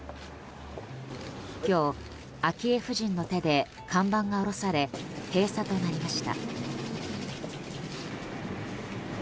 今日、昭恵夫人の手で看板が下ろされ閉鎖となりました。